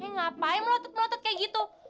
eh ngapain melotot melotot kayak gitu